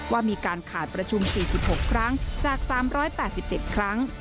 ว่ามีการขาดประชุม๔๖ครั้งจาก๓๘๗ครั้ง